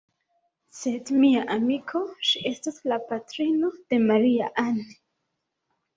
sed, mia amiko, ŝi estas la patrino de Maria-Ann!